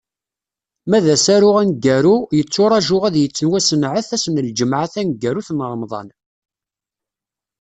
Ma d asaru aneggaru, yetturaǧu ad d-yettwasenɛet ass n lǧemɛa taneggarut n Remḍan.